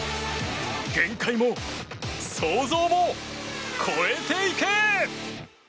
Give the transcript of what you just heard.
限界も、想像も超えていけ！